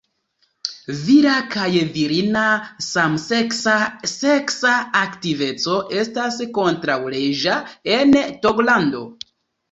Vira kaj virina samseksa seksa aktiveco estas kontraŭleĝa en Togolando.